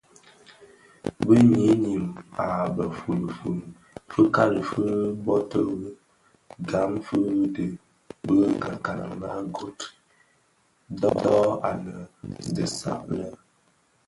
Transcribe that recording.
Bi nyinim a be fuli fuli, fikali fi boterri gam fi dhi bi mekani me guthrie dho anë a dhesag lè.